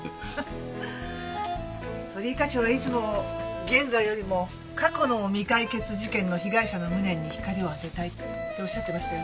鳥居課長はいつも現在よりも過去の未解決事件の被害者の無念に光を当てたいっておっしゃってましたよね。